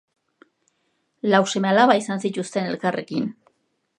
Lau seme-alaba izan zituzten elkarrekin.